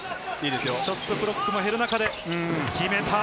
ショットクロックも減る中で、決めた。